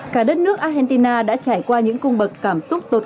cả đất nước argentina đã trải qua những cung bậc cảm xúc tột